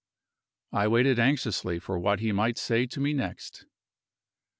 I waited anxiously for what he might say to me next.